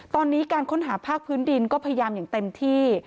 ตอนนี้การค้นหาภาคพื้นดินก็พยายามอย่างเต็มที่